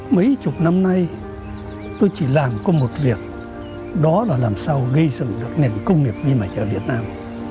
mấy chục năm nay tôi chỉ làm có một việc đó là làm sao gây dựng được nền công nghiệp vi mạch ở việt nam